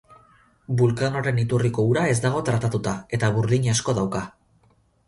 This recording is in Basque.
Vulcanoren iturriko ura ez dago tratatuta, eta burdin asko dauka.